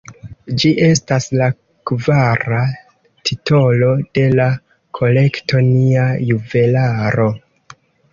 Ĝi estas la kvara titolo de la kolekto Nia Juvelaro.